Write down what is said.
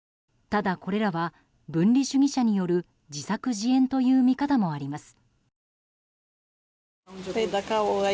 ただこれらは分離主義者による自作自演という見方もあります。